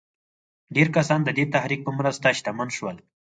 ډېر کسان د دې تحرک په مرسته شتمن شول.